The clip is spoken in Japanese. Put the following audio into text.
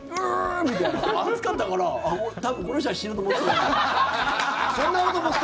みたいな熱かったから多分この人は死ぬと思ってたんだなって。